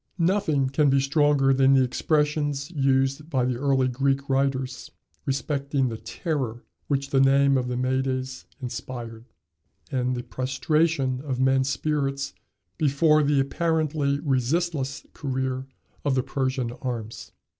Nothing can be stronger than the expressions used by the early Greek writers respecting the terror which the name of the Medes inspired, and the prostration of men's spirits before the apparently resistless career of the Persian arms.